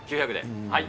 はい。